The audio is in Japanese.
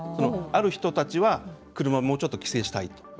ある人たちは車をもうちょっと規制したいと。